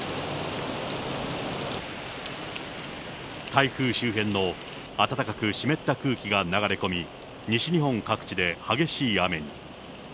台風周辺の暖かく湿った空気が流れ込み、西日本各地で激しい雨に。